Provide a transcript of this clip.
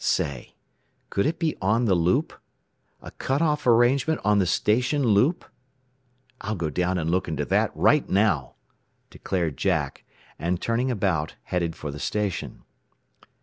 "Say! Could it be on the loop? A cut off arrangement on the station loop? "I'll go down and look into that right now," declared Jack, and turning about, headed for the station.